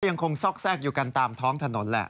คงซอกแทรกอยู่กันตามท้องถนนแหละ